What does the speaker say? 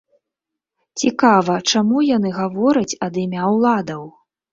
Цікава, чаму яны гавораць ад імя ўладаў?